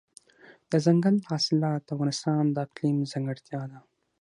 دځنګل حاصلات د افغانستان د اقلیم ځانګړتیا ده.